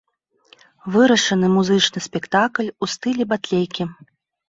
Вырашаны музычны спектакль у стылі батлейкі.